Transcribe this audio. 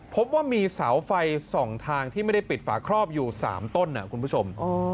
พบว่ามีเสาไฟ๒ทางที่ไม่ได้ปิดฝาครอบอยู่๓ต้นคุณผู้ชม